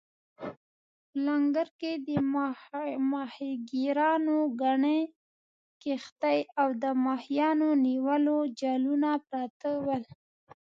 په لنګر کې د ماهیګیرانو ګڼې کښتۍ او د ماهیانو نیولو جالونه پراته ول.